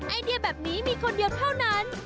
ไอเดียแบบนี้มีคนเดียวเท่านั้น